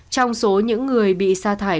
trong số những người bị sa thải